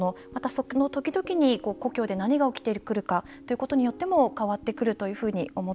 その時々に故郷で何が起きてくるかということによっても変わってくるというふうに思っています。